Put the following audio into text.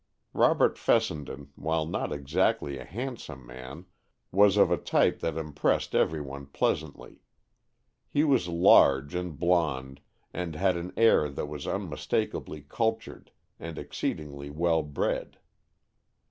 Robert Fessenden, while not exactly a handsome man, was of a type that impressed every one pleasantly. He was large and blond, and had an air that was unmistakably cultured and exceedingly well bred.